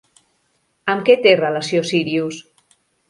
Amb què té relació Sírius?